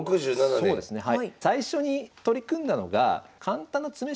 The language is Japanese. そうですねはい。